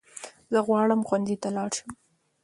زه غواړم ښونځي ته لاړشم